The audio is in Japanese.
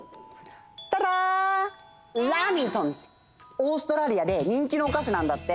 オーストラリアで人気のおかしなんだって！